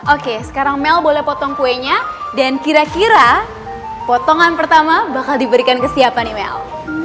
oke sekarang mel boleh potong kuenya dan kira kira potongan pertama bakal diberikan ke siapa nih mel